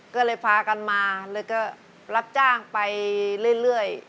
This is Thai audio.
ก็เลยพากันมาแล้วก็รับจ้างไปเรื่อย